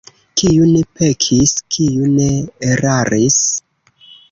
Kiu ne pekis, kiu ne eraris?